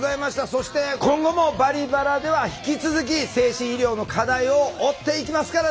そして今後も「バリバラ」では引き続き精神医療の課題を追っていきますからね。